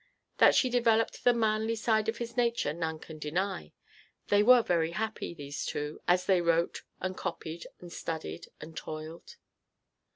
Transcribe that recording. That she developed the manly side of his nature none can deny. They were very happy, these two, as they wrote, and copied, and studied, and toiled.